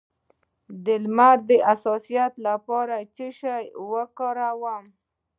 د لمر د حساسیت لپاره باید څه شی وکاروم؟